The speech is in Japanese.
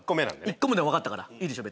１個目で分かったからいいでしょ